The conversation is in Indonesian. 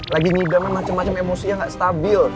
lagi ngidangnya macam macam emosinya gak stabil